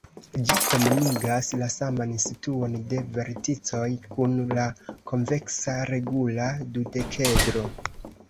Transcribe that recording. Ĝi komunigas la saman situon de verticoj kun la konveksa regula dudekedro.